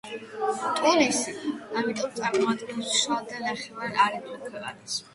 ტუნისი ამიტომ წარმოადგენს მშრალ და ნახევრად არიდულ ქვეყანას.